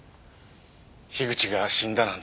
口が死んだなんて